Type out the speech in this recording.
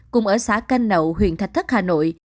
cùng ở xã canh nậu huyện thạch thất hà nội